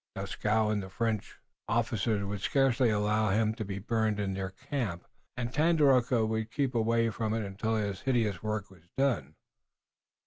Dieskau and the French officers would scarcely allow him to be burned in their camp, and Tandakora would keep away from it until his hideous work was done.